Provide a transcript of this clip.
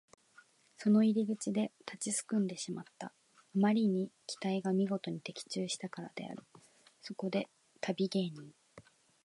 その入り口で立ちすくんでしまった。あまりに期待がみごとに的中したからである。そこで旅芸人